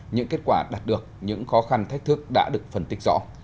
những kết quả đạt được những khó khăn thách thức đã được phân tích rõ